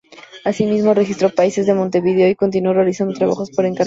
Asimismo, registró paisajes de Montevideo y continuó realizando trabajos por encargos privados.